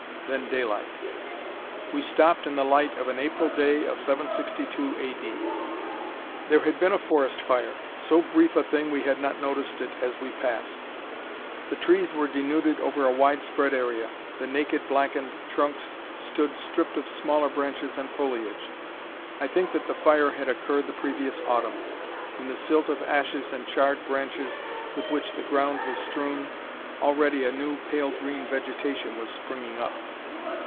Then daylight. We stopped in the light of an April day of 762 A. D. There had been a forest fire: so brief a thing we had not noticed it is we passed. The trees were denuded over a widespread area; the naked blackened trunks stood stripped of smaller branches and foliage. I think that the fire had occurred the previous autumn; in the silt of ashes and charred branches with which the ground was strewn, already a new pale green vegetation was springing up.